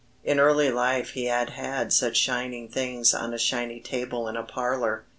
In early life he had had such shining things on a shiny table in a parlour.